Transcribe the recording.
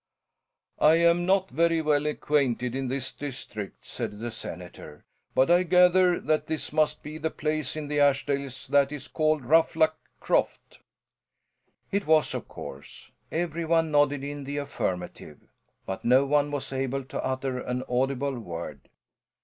"I am not very well acquainted in this district," said the senator, "but I gather that this must be the place in the Ashdales that is called Ruffluck Croft." It was of course. Every one nodded in the affirmative, but no one was able to utter an audible word.